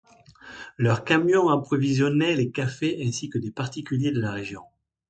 Leurs camions approvisionnaient les cafés ainsi que des particuliers de la région.